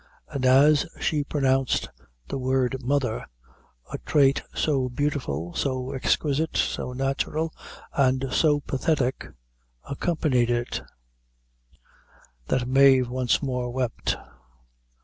And as she pronounced the word mother, a trait so beautiful, so exquisite, so natural, and so pathetic, accompanied it, that Mave once more wept.